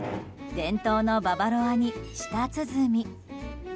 伝統のババロアに舌鼓。